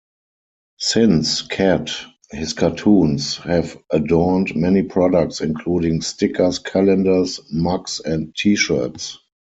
Since "Cat", his cartoons have adorned many products including stickers, calendars, mugs, and t-shirts.